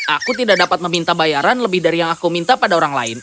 aku tidak dapat meminta bayaran lebih dari yang aku minta pada orang lain